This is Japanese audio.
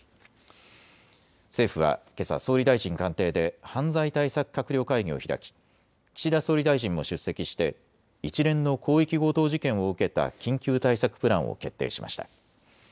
政府はけさ、総理大臣官邸で犯罪対策閣僚会議を開き岸田総理大臣も出席して一連の広域強盗事件を受けた緊急対策プランを決定しました。